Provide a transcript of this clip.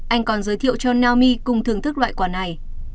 anh còn giới thiệu cho naomi cùng thưởng thức loại quả này